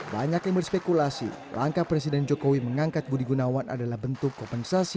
banyak yang berspekulasi langkah presiden jokowi mengangkat budi gunawan adalah bentuk kompensasi